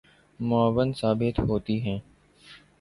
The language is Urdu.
معاون ثابت ہوتی ہیں